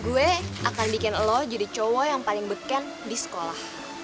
gue akan bikin lo jadi cowok yang paling beken di sekolah